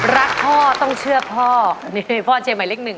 รักพ่อต้องเชื่อพ่อพ่อเช่นใหม่เลข๑